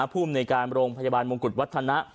ภูมิในการโรงพยาบาลมงกุฎวัฒนะ